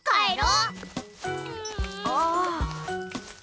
ああ。